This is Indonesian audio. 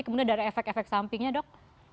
kemudian dari efek efek sampingnya dok